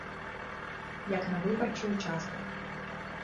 Як на выбарчы ўчастак.